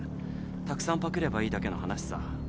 たくさんパクればいいだけの話さ。